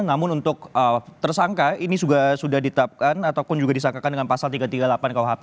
namun untuk tersangka ini sudah ditetapkan ataupun juga disangkakan dengan pasal tiga ratus tiga puluh delapan kuhp